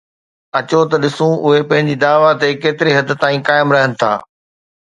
اچو ته ڏسون ته اهي پنهنجي دعويٰ تي ڪيتري حد تائين قائم رهن ٿا